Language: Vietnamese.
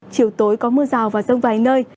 chiều tối có mưa rào và rông vài nơi